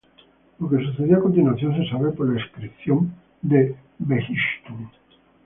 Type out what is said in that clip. Lo que sucedió a continuación se sabe por la inscripción de Behistún.